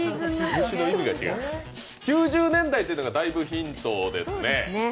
９０年代っていうのがだいぶヒントですね。